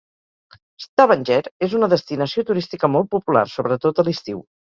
Stavanger és una destinació turística molt popular, sobretot a l'estiu.